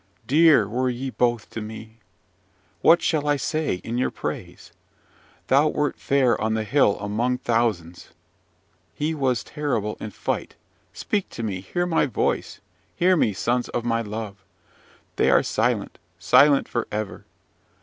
Dear were ye both to me! what shall I say in your praise? Thou wert fair on the hill among thousands! he was terrible in fight! Speak to me! hear my voice! hear me, sons of my love! They are silent! silent for ever!